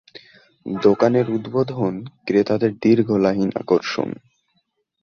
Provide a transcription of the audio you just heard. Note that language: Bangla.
দোকানের উদ্বোধন ক্রেতাদের দীর্ঘ লাইন আকর্ষণ।